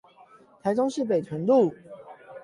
台中市北屯路